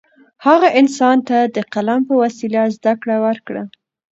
هغه انسان ته د قلم په وسیله زده کړه ورکړه.